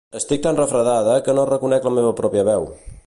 Estic tan refredada que no reconec la meva pròpia veu